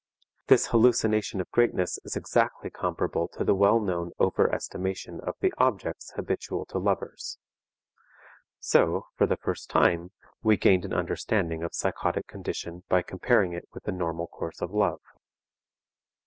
This hallucination of greatness is exactly comparable to the well known over estimation of the objects habitual to lovers. So, for the first time, we gained an understanding of psychotic condition by comparing it with the normal course of love.